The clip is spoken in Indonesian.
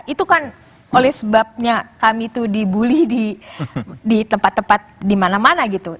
itu kan oleh sebabnya kami itu dibully di tempat tempat di mana mana gitu